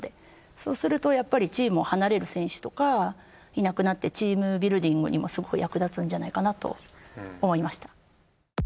そうするとやっぱりチームを離れる選手とかいなくなってチームビルディングにもすごく役立つんじゃないかなと思いました。